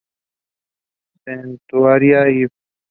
Centuria iv.